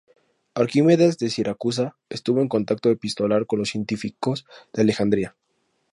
Arquímedes de Siracusa estuvo en contacto epistolar con los científicos de Alejandría.